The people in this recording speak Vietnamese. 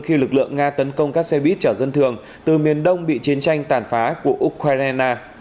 khi lực lượng nga tấn công các xe buýt chở dân thường từ miền đông bị chiến tranh tàn phá của ukraine